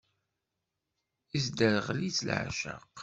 Isderɣel-it leεceq.